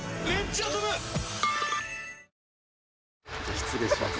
失礼します。